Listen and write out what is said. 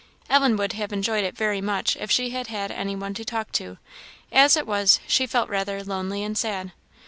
Ellen would have enjoyed it very much if she had had any one to talk to; as it was, she felt rather lonely and sad.